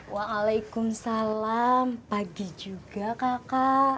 waalaikumsalam pagi juga kak